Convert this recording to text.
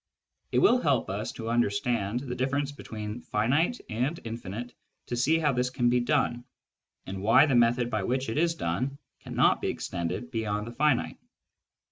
It will help us to understand the difference between finite and infinite to see how this can be done, and why the method by which it is done cannot be extended beyond the finite.